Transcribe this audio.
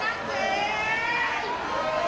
สวัสดีครับ